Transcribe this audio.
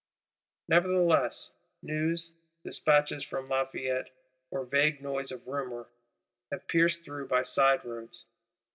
Nevertheless, news, despatches from Lafayette, or vague noise of rumour, have pierced through, by side roads.